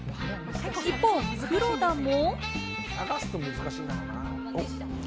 一方、黒田も。